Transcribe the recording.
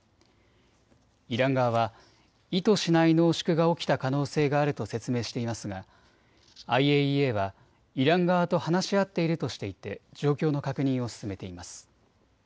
イラン側は意図しない濃縮が起きた可能性があると説明していますがＩＡＥＡはイラン側と話し合っているとしていて状況の確認を進めています。